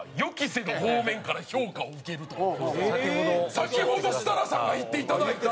先ほど設楽さんが言っていただいた。